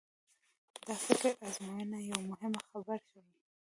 دا فکري ازموینه یوه مهمه خبره ښيي.